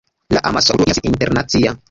La amaskulturo iĝas internacia.